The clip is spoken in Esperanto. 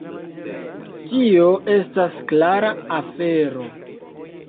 Tio estas klara afero.